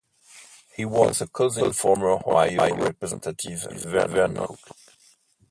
He was a cousin of former Ohio Representative Vernon Cook.